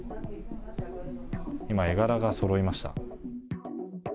今、絵柄がそろいました。